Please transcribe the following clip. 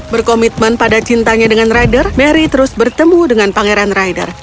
berkomitmen pada cintanya dengan rider mary terus bertemu dengan pangeran rider